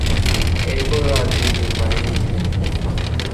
এরপর রাজনীতির বাহিরে ছিলেন।